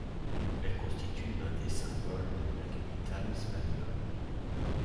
Elle constitue l'un des symboles de la capitale espagnole.